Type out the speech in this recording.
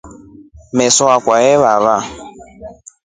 Meso yakwa yalivava.